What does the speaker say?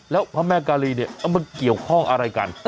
แล้วพระแม่กาลีเนี่ยมันเกี่ยวข้องอะไรกัน